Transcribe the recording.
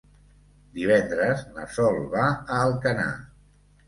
Divendres na Sol va a Alcanar.